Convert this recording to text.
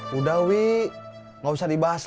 romano tak mulai belasah